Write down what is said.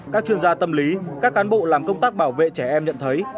các chuyên gia tâm lý các cán bộ làm công tác bảo vệ trẻ em nhận thấy